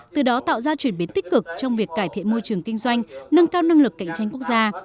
từ đó tạo ra chuyển biến tích cực trong việc cải thiện môi trường kinh doanh nâng cao năng lực cạnh tranh quốc gia